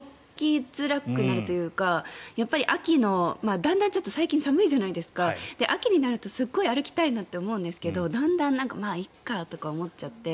でも、ちょっと寒くなると動きづらくなるというかやっぱり秋のだんだん寒いじゃないですか秋になるとすごい歩きたいなって思うんですけどだんだんまあ、いっかとか思っちゃって。